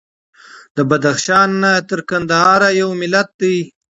د بدخشان نه تر قندهار پورې یو ملت دی.